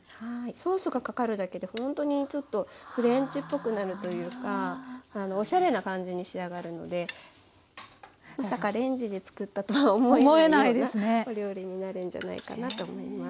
ソースがかかるだけでほんとにちょっとフレンチっぽくなるというかおしゃれな感じに仕上がるのでまさかレンジで作ったとは思えないようなお料理になるんじゃないかなと思います。